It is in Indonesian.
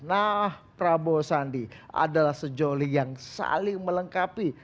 nah prabowo sandi adalah sejoli yang saling melengkapi